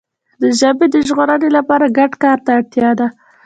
د ژبي د ژغورنې لپاره ګډ کار ته اړتیا ده.